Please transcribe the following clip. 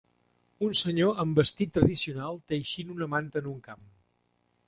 Un senyor amb vestit tradicional teixint una manta en un camp.